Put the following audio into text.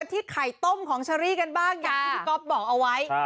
ที่ไข่ต้มของเชอรี่กันบ้างอย่างที่พี่ก๊อฟบอกเอาไว้